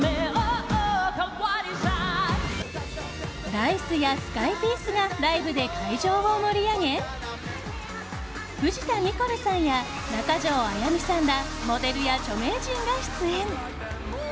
Ｄａ‐ｉＣＥやスカイピースがライブで会場を盛り上げ藤田ニコルさんや中条あやみさんらモデルや著名人が出演。